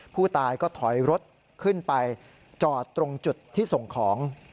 ผู้ตายก็ถอยรถขึ้นไปจอดตรงจุดที่ส่งของ